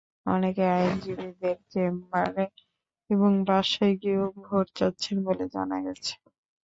অনেকে আইনজীবীদের চেম্বারে এবং বাসায় গিয়েও ভোট চাচ্ছেন বলে জানা গেছে।